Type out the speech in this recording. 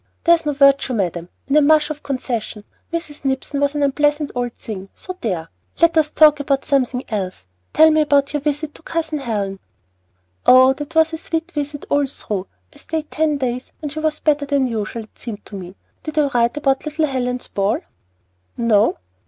'There is no virtue, madam, in a mush of concession.' Mrs. Nipson was an unpleasant old thing, so there! Let us talk of something else. Tell me about your visit to Cousin Helen." "Oh, that was a sweet visit all through. I stayed ten days, and she was better than usual, it seemed to me. Did I write about little Helen's ball?" "No."